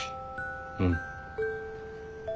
うん。